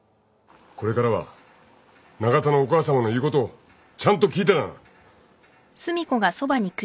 これからは永田のお母さまの言うことをちゃんと聞いてだな。